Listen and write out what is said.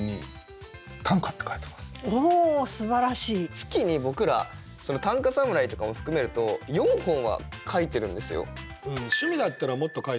月に僕ら短歌侍とかも含めると４本は書いてるんですよ？